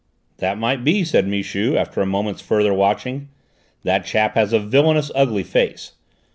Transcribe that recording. "That might be," said Michu after a moment's further watching. "That chap has a villainous, ugly face.